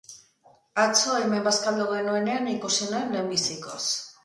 Atzo hemen bazkaldu genuenean ikusi nuen lehenbizikoz.